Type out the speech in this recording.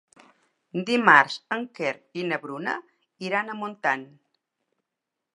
Dimarts en Quer i na Bruna iran a Montant.